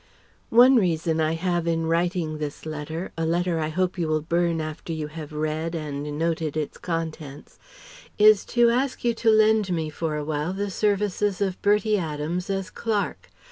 ] One reason I have in writing this letter a letter I hope you will burn after you have read and noted its contents is to ask you to lend me for a while the services of Bertie Adams as clerk.